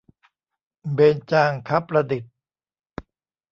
เบญจางคประดิษฐ์